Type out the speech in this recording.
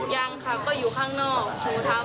ยังค่ะก็อยู่ข้างหน้า